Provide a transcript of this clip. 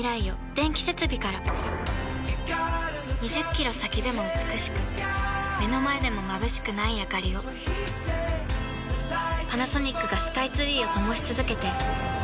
２０キロ先でも美しく目の前でもまぶしくないあかりをパナソニックがスカイツリーを灯し続けて今年で１０年